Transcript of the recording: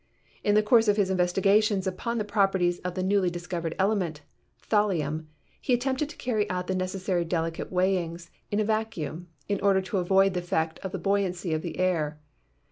In the course of his investigations upon the properties of the newly discovered element, thallium, he attempted to carry out the necessary delicate weighings THE PROPERTIES OF MATTER 39 in a vacuum, in order to avoid the effect of the buoyancy of the air.